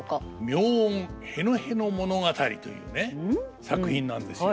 「妙音へのへの物語」というね作品なんですよ。